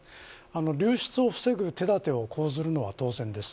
流出を防ぐ手だてを講ずるのは当然です。